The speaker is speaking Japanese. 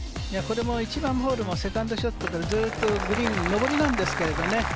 １番ホールもセカンドショット、ずっとグリーンの上りなんですよね。